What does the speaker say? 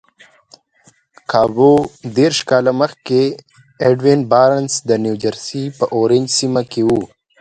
کابو دېرش کاله مخکې ايډوين بارنس د نيوجرسي په اورنج سيمه کې و.